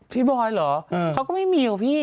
บอยเหรอเขาก็ไม่มีหรอพี่